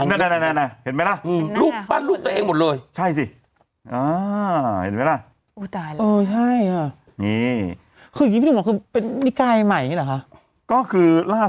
นั่นเห็นไหมล่ะรูปปั้นรูปตัวเองหมดเลยใช่สิเห็นไหมล่ะคะ